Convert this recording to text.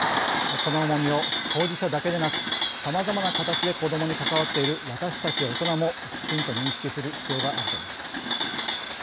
この重みを、当事者だけでなくさまざまな形で子どもに関わっている私たち大人もきちんと認識する必要があると思います。